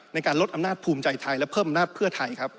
ในการลดอำนาจภูมิใจไทยและเพิ่มอำนาจเพื่อไทยครับ